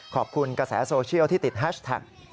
กระแสโซเชียลที่ติดแฮชแท็ก